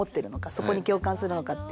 そこに共感するのかっていう。